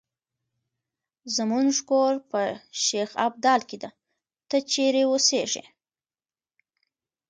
زمونږ کور په شیخ ابدال کې ده، ته چېرې اوسیږې؟